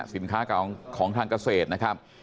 สินค้าของทางเกษตรนะครับ